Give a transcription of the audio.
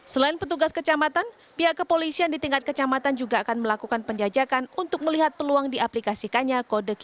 selain petugas kecamatan pihak kepolisian di tingkat kecamatan juga akan melakukan penjajakan untuk melihat peluang di aplikasikannya kode qr code